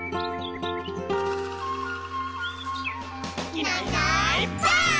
「いないいないばあっ！」